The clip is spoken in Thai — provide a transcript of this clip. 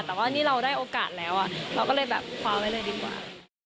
แต่ว่านี่เราได้โอกาสแล้วเราก็เลยแบบคว้าไว้เลยดีกว่า